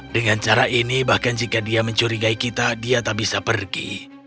dengan cara ini bahkan jika dia mencurigai kita dia tak bisa pergi